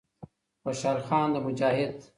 خوشال خان د مجاهد